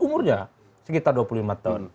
umurnya sekitar dua puluh lima tahun